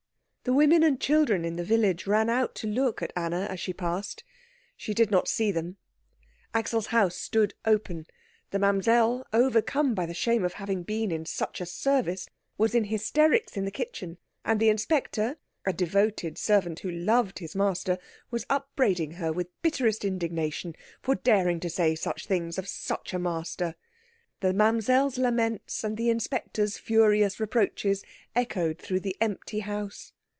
The women and children in the village ran out to look at Anna as she passed. She did not see them. Axel's house stood open. The Mamsell, overcome by the shame of having been in such a service, was in hysterics in the kitchen, and the inspector, a devoted servant who loved his master, was upbraiding her with bitterest indignation for daring to say such things of such a master. The Mamsell's laments and the inspector's furious reproaches echoed through the empty house.